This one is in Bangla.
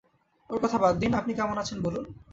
ওঁর কথা বাদ দিন, আপনি কেমন আছেন বলুন।